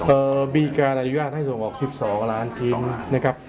เอ่อมีการอนุญาตให้ส่งออกสิบสองล้านชิ้นนะครับ